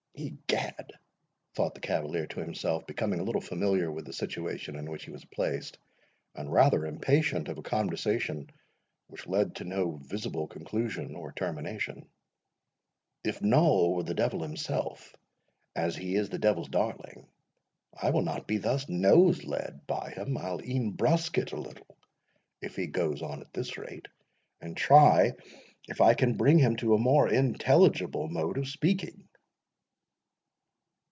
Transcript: "Egad," thought the cavalier to himself, becoming a little familiar with the situation in which he was placed, and rather impatient of a conversation—which led to no visible conclusion or termination, "If Noll were the devil himself, as he is the devil's darling, I will not be thus nose led by him. I'll e'en brusque it a little, if he goes on at this rate, and try if I can bring him to a more intelligible mode of speaking."